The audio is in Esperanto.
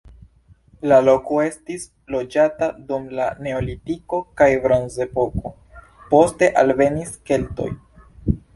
La loko estis loĝata dum la neolitiko kaj bronzepoko, poste alvenis keltoj.